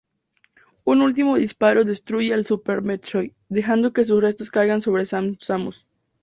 Un último disparo destruye al Super Metroid, dejando que sus restos caigan sobre Samus.